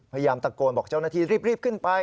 พยายามตะโกนบอกเจ้าหน้าที่รีบขึ้นไป